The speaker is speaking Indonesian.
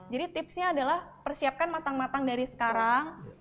jadi tipsnya adalah persiapkan matang matang dari sekarang